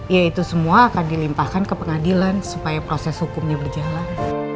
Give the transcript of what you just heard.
ya itu semua akan dilimpahkan ke pengadilan supaya proses hukumnya berjalan